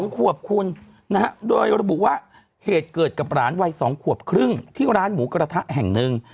๒ขวบคุณนะฮะโดยระบุว่าเหตุเกิดกับหลานวัย๒ขวบครึ่งที่ร้านหมูกระทะแห่งหนึ่ง